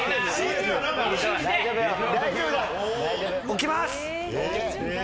置きます！